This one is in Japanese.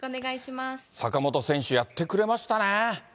坂本選手、やってくれましたね！